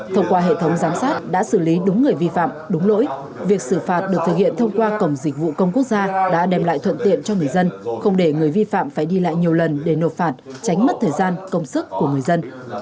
thông qua hệ thống giám sát đã xử lý đúng người vi phạm đúng lỗi việc xử phạt được thực hiện thông qua cổng dịch vụ công quốc gia đã đem lại thuận tiện cho người dân không để người vi phạm phải đi lại nhiều lần để nộp phạt tránh mất thời gian công sức của người dân